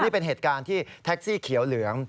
นี่เป็นเหตุการณ์ที่แท็กซี่เขียวเหลือง